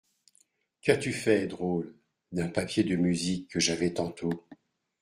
Qu’as-tu fait, drôle, d’un papier de musique que j’avais tantôt ?